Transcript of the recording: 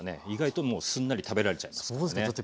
意外とすんなり食べられちゃいますからね。